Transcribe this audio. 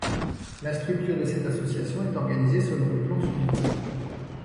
La structure de cette association est organisée selon le plan suivant;